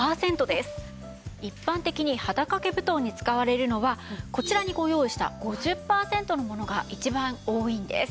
一般的に肌掛け布団に使われるのはこちらにご用意した５０パーセントのものが一番多いんです。